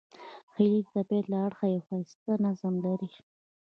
هیلۍ د طبیعت له اړخه یو ښایسته نظم لري